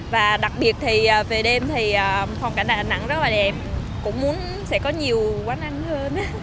và đặc biệt thì về đêm thì phong cảnh đà nẵng rất là đẹp cũng muốn sẽ có nhiều quán ăn hơn